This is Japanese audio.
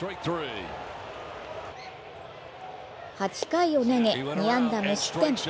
８回を投げ、２安打無失点。